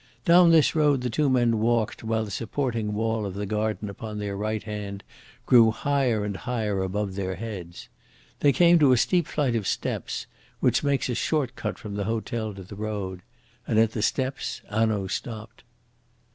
Down this road the two men walked, while the supporting wall of the garden upon their right hand grew higher and higher above their heads. They came to a steep flight of steps which makes a short cut from the hotel to the road, and at the steps Hanaud stopped.